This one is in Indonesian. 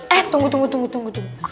eh tunggu tunggu